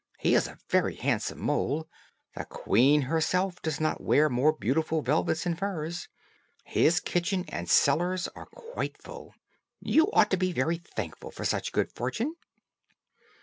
He is a very handsome mole; the queen herself does not wear more beautiful velvets and furs. His kitchen and cellars are quite full. You ought to be very thankful for such good fortune."